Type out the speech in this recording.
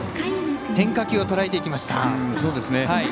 変化球をとらえていきました。